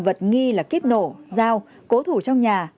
vật nghi là kíp nổ dao cố thủ trong nhà